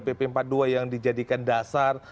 pp empat puluh dua yang dijadikan dasar